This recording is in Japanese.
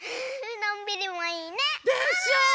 のんびりもいいね。でしょ？